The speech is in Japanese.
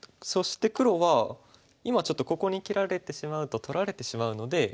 そして黒は今ちょっとここに切られてしまうと取られてしまうので。